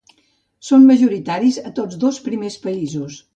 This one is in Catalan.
Són majoritaris a tots dos primers països.